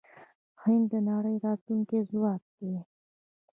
هند د نړۍ راتلونکی ځواک دی.